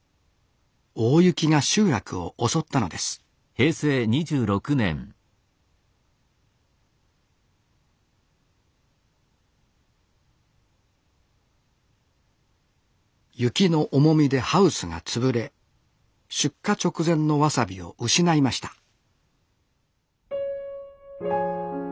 大雪が集落を襲ったのです雪の重みでハウスが潰れ出荷直前のわさびを失いました